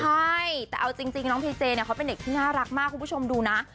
ใช่แต่เอาจริงน้องพีเจเนี่ยเขาเป็นเด็กที่น่ารักมากคุณผู้ชมดูนะ